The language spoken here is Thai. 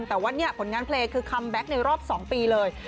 แต่ว่าเนี่ยผลงานเพลงคือคัมแบ็คในรอบ๒ปีเลย